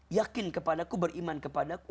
yakin kepadaku beriman kepadaku